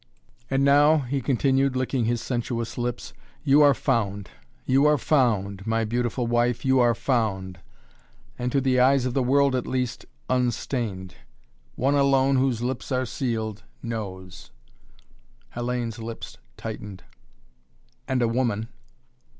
"And now " he continued, licking his sensuous lips, "you are found you are found my beautiful wife you are found and to the eyes of the world at least unstained. One alone whose lips are sealed, knows." Hellayne's lips tightened. "And a woman."